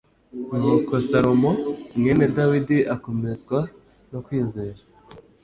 nuko salomo mwene dawidi akomezwa no kwizera